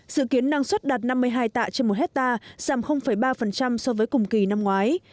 dự kiến năng suất đạt năm mươi hai tạ trên một hectare giảm ba so với cùng kỳ năm ngoái